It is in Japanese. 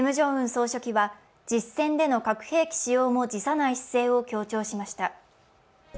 総書記は実戦での核兵器使用も辞さない姿勢を強調しました。